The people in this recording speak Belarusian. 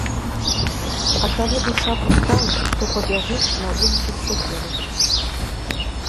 А калі душа пустая, то пабяжыш на вуліцу з сякерай.